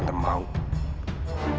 aku akan selamatkanmu